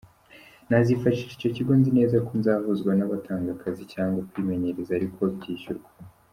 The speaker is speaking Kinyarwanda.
Nazifashisha icyo kigo nzi neza ko nzahuzwa n’abatanga akazi cyangwa kwimenyereza ariko byishyurwa.